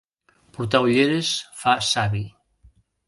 Portar ulleres fa savi.